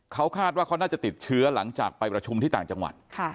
เขาคาดว่าเขาน่าจะติดเชื้อหลังจากไปประชุมที่ต่างจังหวัด